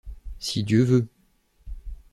Si Dieu veut...